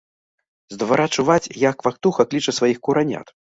З двара чуваць, як квактуха кліча сваіх куранят.